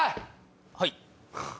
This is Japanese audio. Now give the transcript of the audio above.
はい。